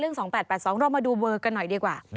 ๒๘๘๒เรามาดูเบอร์กันหน่อยดีกว่า